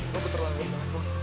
lo betul betul bangun